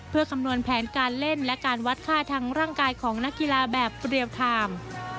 เพื่อคำนวณแผนการเล่นและการวัดค่าทางร่างกายของนักกีฬาแบบเรียลไทม์